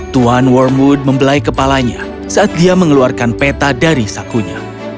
tuhan wormwood membelai kepalanya saat dia mengeluarkan peta dari sakunya